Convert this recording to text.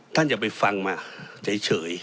อย่าไปฟังมาเฉย